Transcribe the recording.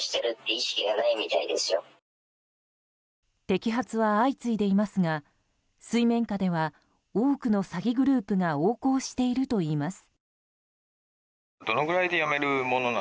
摘発は相次いでいますが水面下では多くの詐欺グループが横行しているといいます。